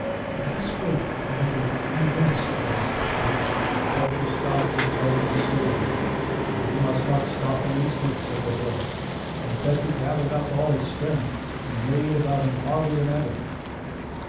'Let us wait a little and rest,' gasped she. Petru stopped and lowered his sword. 'You must not stop an instant,' said the horse, and Petru gathered up all his strength, and laid about him harder than ever.